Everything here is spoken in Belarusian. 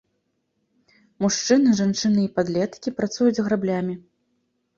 Мужчыны, жанчыны і падлеткі працуюць граблямі.